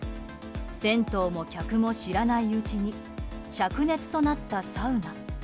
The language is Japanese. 銭湯も客も知らないうちに灼熱となったサウナ。